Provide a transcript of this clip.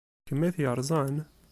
D kemm ay t-yerẓan?